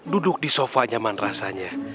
duduk di sofa nyaman rasanya